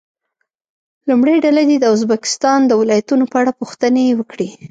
لومړۍ ډله دې د ازبکستان د ولایتونو په اړه پوښتنې وکړي.